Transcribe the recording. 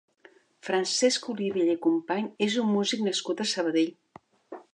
Francesc Olivella i Company és un músic nascut a Sabadell.